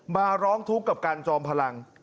มาร้องทุกข์กับการจอมพลัง